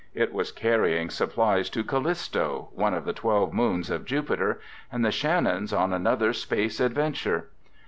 It was carrying supplies to Callisto (one of the twelve moons of Jupiter) and the Shannons, on another space adventure.